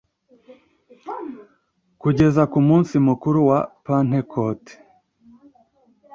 kugeza ku munsi mukuru wa pentekote